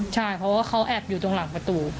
ใช่เพราะว่าเขาแอบอยู่ตรงหลังประตู